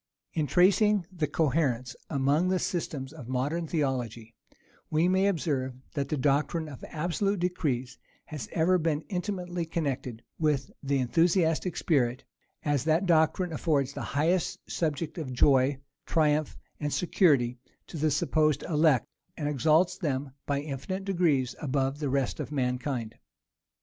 [*] In tracing the coherence among the systems of modern theology, we may observe, that the doctrine of absolute decrees has ever been intimately connected with the enthusiastic spirit, as that doctrine affords the highest subject of joy, triumph, and security to the supposed elect, and exalts them by infinite degrees above the rest of mankind.